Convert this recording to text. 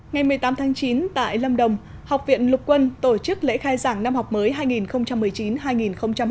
ngày một mươi tám tháng chín tại lâm đồng học viện lục quân tổ chức lễ khai giảng năm học mới hai nghìn một mươi chín hai nghìn hai mươi